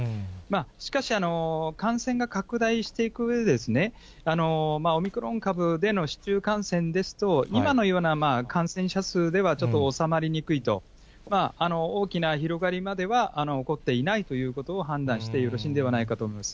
しかし、感染が拡大していくうえで、オミクロン株での市中感染ですと、今のような感染者数では、ちょっと収まりにくいと、大きな広がりまでは起こっていないということを判断してよろしいんではないかと思います。